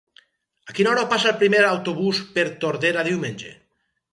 A quina hora passa el primer autobús per Tordera diumenge?